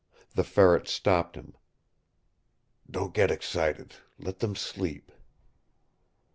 The Ferret stopped him. "Don't get excited. Let them sleep."